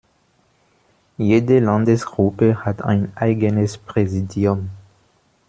Jede Landesgruppe hat ein eigenes Präsidium.